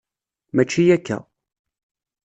Mačči akka.